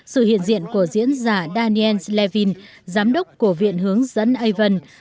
sự hiện diện của diễn giả daniel levin giám đốc của viện hướng dân avon